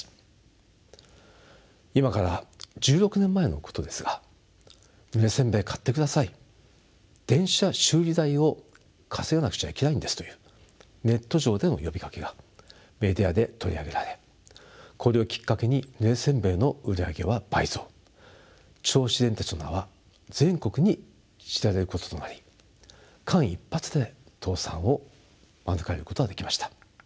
今から１６年前のことですが「ぬれ煎餅買ってください電車修理代を稼がなくちゃいけないんです」というネット上での呼びかけがメディアで取り上げられこれをきっかけにぬれ煎餅の売り上げは倍増銚子電鉄の名は全国に知られることとなり間一髪で倒産を免れることができました。